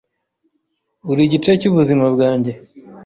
Uri igice cy’ubuzima bwanjye